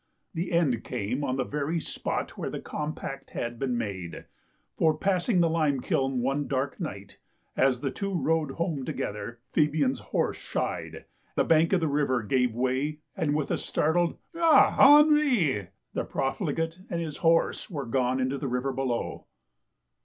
The end came on the very spot where the compact had been made ; for, passing the lime kiln one dark night, as the two rode home to gether, Fabian's horse shied, the bank of the river gave way, and with a startled " Ah, Henri! " the profligate and his horse were gone into the river below.